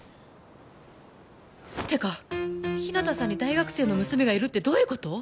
てか日向さんに大学生の娘がいるってどういうこと？